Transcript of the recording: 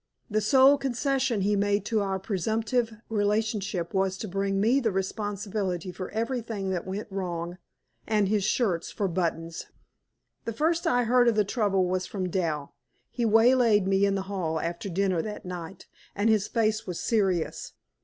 The sole concession he made to our presumptive relationship was to bring me the responsibility for everything that went wrong, and his shirts for buttons. The first I heard of the trouble was from Dal. He waylaid me in the hall after dinner that night, and his face was serious.